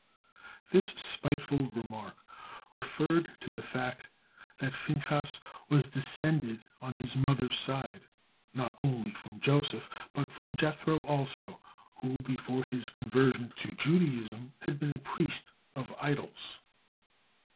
This spiteful remark referred to the fact that Phinehas was descended on his mother's side not only from Joseph, but from Jethro also who, before his conversion to Judaism, had been a priest of idols.